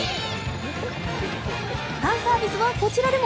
ファンサービスはこちらでも。